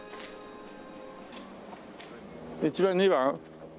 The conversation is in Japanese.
１番２番？